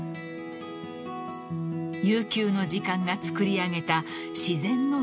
［悠久の時間がつくり上げた自然の造形美］